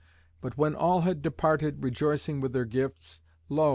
But when all had departed rejoicing with their gifts, lo!